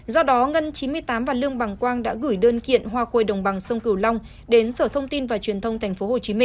do đó ngân chín mươi tám và lương bằng quang đã gửi đơn kiện hoa khôi đồng bằng sông cửu long đến sở thông tin và truyền thông tp hcm